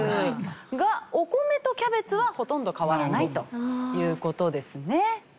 がお米とキャベツはほとんど変わらないという事ですね。